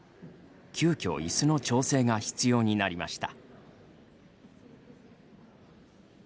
急きょ、いすの調整が必要になりました。